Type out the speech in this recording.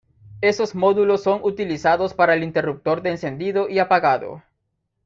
Esos módulos son utilizados para el interruptor de encendido y apagado.